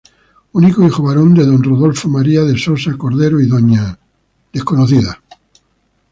Único hijo varón de Don Rodolfo María de Sosa Cordero y Dña.